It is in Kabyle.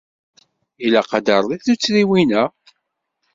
Ilaq ad d-terreḍ i tuttriwin-a.